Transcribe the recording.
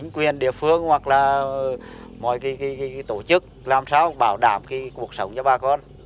quyền địa phương hoặc là mọi tổ chức làm sao bảo đảm cuộc sống cho bà con